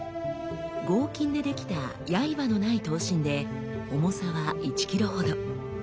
合金でできた刃のない刀身で重さは１キロほど。